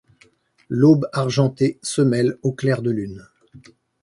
L’aube argentée se mêle au clair de lune.